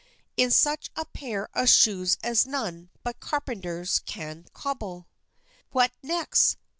In such a pair of shoes as none but carpenters can cobble! What next?